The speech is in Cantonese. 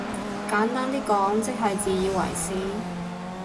簡單啲講即係自以為是？